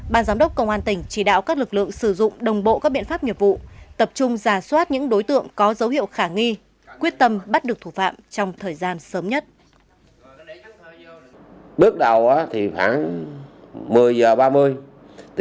ban giám đốc công an tỉnh chỉ đạo các lực lượng sử dụng đồng bộ các biện pháp nghiệp vụ tập trung giả soát những đối tượng có dấu hiệu khả nghi quyết tâm bắt được thủ phạm trong thời gian sớm nhất